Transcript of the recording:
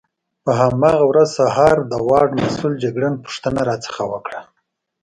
په هماغه ورځ سهار د وارډ مسؤل جګړن پوښتنه راڅخه وکړه.